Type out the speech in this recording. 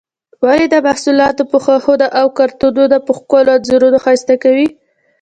ولې د محصولاتو پوښونه او کارتنونه په ښکلو انځورونو ښایسته کوي؟